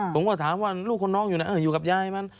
ผมก็ถามว่าลูกคนน้องอยู่ไหนอยู่กับยายมัน